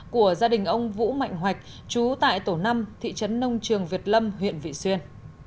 của gia đình ông vũ mạnh hoạch chú tại tổ năm thị trấn nông trường việt lâm huyện vị xuyên